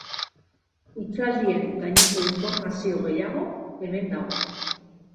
Hitzaldien gaineko informazio gehaigo, hemen dago.